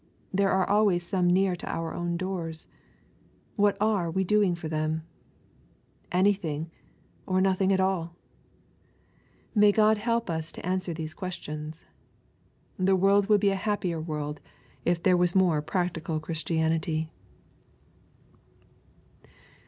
There are always some near our own doors. What are we doing for them ? Anything^r nothing at all ? May God help us to answer these questions I The world would be a happier world if there was more, [practical Christianity.